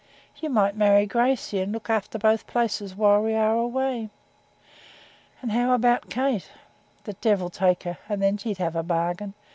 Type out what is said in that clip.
You might marry Gracey, and look after both places while we were away.' 'And how about Kate?' 'The devil take her! and then he'd have a bargain.